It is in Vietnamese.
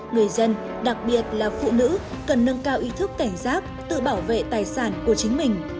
người dân đặc biệt là phụ nữ cần nâng cao ý thức cảnh giác tự bảo vệ tài sản của chính mình